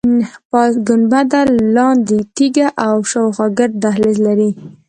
پاس ګنبده، لاندې تیږه او شاخوا ګرد دهلیز لري.